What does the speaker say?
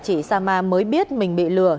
chị sama mới biết mình bị lừa